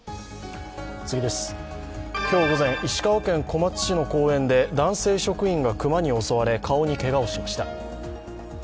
今日午前、石川県小松市の公園で男性職員が熊に襲われ、顔にけがをしました。